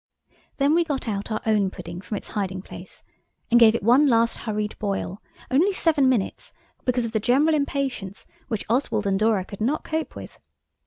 Then we got out our own pudding from its hiding place and gave it one last hurried boil–only seven minutes, because of the general impatience which Oswald and Dora could not cope with.